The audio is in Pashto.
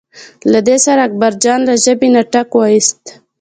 له دې سره اکبرجان له ژبې نه ټک وویست.